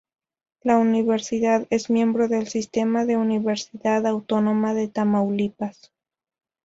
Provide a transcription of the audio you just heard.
La universidad es miembro del sistema de Universidad Autónoma de Tamaulipas.